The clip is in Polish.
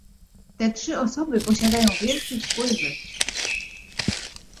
"Te trzy osoby posiadają wielkie wpływy."